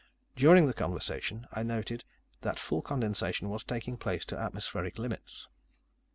During the conversation, I noted that full condensation was taking place to atmospheric limits.